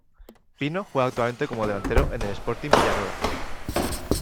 Pino juega actualmente como delantero en el Sporting Villanueva.